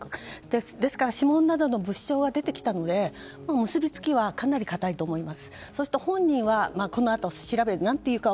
ですから、指紋などの物証が出てきたので、結びつきはかなり固いと思います。